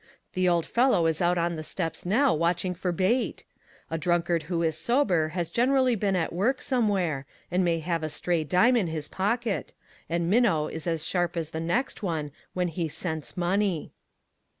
" The old fellow is out on the steps now, watching for bait. A drunkard who is sober has generally been at work somewhere, and may have a stray dime in his pocket; and Minnow is as sharp as the next one, when he scents money."